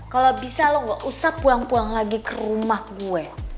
kalau bisa lo gak usah pulang buang lagi ke rumah gue